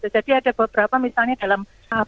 jadi ada beberapa misalnya dalam